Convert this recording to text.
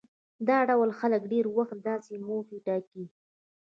دا ډول خلک ډېری وخت داسې موخې ټاکي.